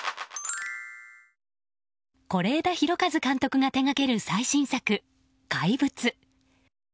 是枝裕和監督が手掛ける最新作「怪物」。